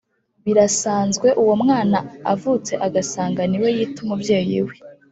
birasanzwe, uwo umwana avutse agasanga ni we yita umubyeyi we